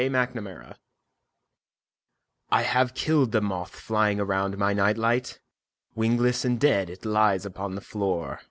Moth Terror I HAVE killed the moth flying around my night light; wingless and dead it lies upon the floor.